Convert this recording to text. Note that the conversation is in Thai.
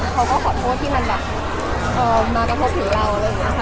เขาก็ขอโทษที่มันแบบมากระทบกับเราเลยนะคะ